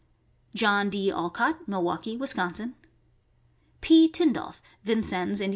John D. Olcott, Milwaukee, Wis.; P. Tin dolph, Vincennes, Ind.